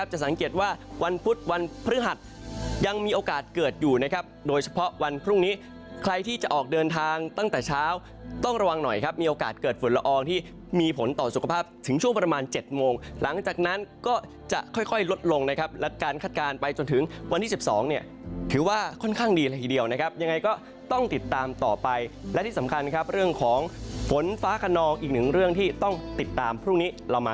หัดยังมีโอกาสเกิดอยู่นะครับโดยเฉพาะวันพรุ่งนี้ใครที่จะออกเดินทางตั้งแต่เช้าต้องระวังหน่อยครับมีโอกาสเกิดฝนละอองที่มีผลต่อสุขภาพถึงช่วงประมาณเจ็ดโมงหลังจากนั้นก็จะค่อยค่อยลดลงนะครับและการคัดการณ์ไปจนถึงวันที่เจ็บสองเนี่ยถือว่าค่อนข้างดีละทีเดียวนะครับยังไงก็ต้องติ